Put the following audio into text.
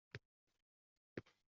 Noto‘g‘ri buyruqni bajarmiyman dedim.